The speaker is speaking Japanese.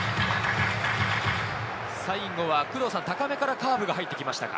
最後は高めからカーブが入ってきましたか？